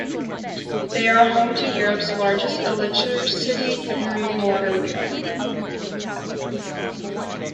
They are home to Europe's largest electricity-generating water wheel.